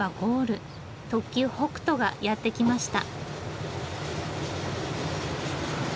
特急「北斗」がやって来ました。